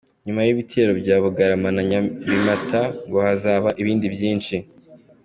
Nyuma y’ibitero bya Bugarama na Nyabimata ngo hazaba ibindi byinshi!